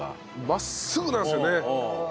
真っすぐなんですよね。